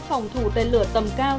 phòng thủ tên lửa tầm cao